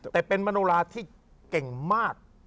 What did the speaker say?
แต่เป็นมโนราที่เก่งมาก